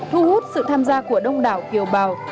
thu hút sự tham gia của đông đảo kiều bào